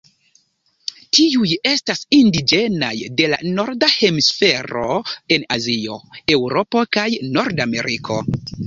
Tiuj estas indiĝenaj de la Norda Hemisfero en Azio, Eŭropo kaj Nordameriko.